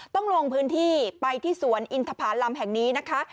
ต้องลงพื้นที่ไปที่สวนอินทภาลำแห่งนี้นะคะ